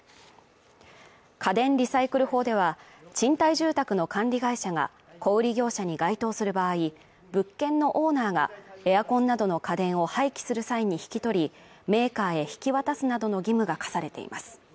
家電リサイクル法では、賃貸住宅の管理会社が小売業者に該当する場合、物件のオーナーが、エアコンなどの家電を廃棄する際に引き取りメーカーへ引き渡すなどの義務が課されています。